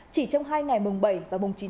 chỉ trong hai ngày mùng bảy và mùng chín tháng chín